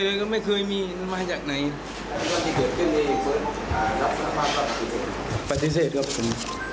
แล้วที่เกิดขึ้นในรักษณะภาพก็ปฏิเสธปฏิเสธครับคุณ